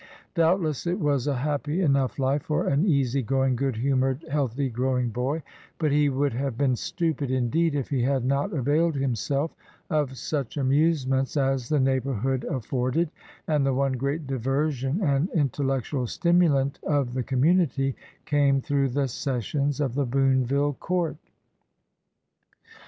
Doubtless it was a happy enough life for an easy going, good hu mored, healthy, growing boy ; but he would have been stupid, indeed, if he had not availed himself of such amusements as the neighborhood af forded, and the one great diversion and intellec tual stimulant of the community came through the sessions of the Boonville court.